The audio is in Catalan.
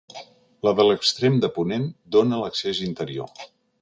La de l'extrem de ponent dóna accés a l'interior.